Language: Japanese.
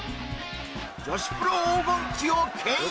女子プロ黄金期を牽引！